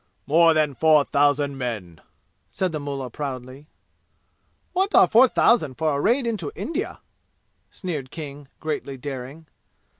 "More than four thousand men!" said the mullah proudly. "What are four thousand for a raid into India?" sneered King, greatly daring.